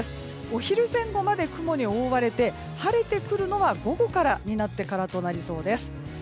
お昼前後まで雲に覆われて晴れてくるのは午後になってからとなりそうです。